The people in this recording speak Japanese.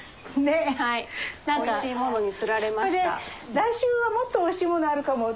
「来週はもっとおいしいものあるかも」